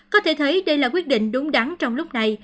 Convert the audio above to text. có thể thấy đây là quyết định đúng đắn trong lúc này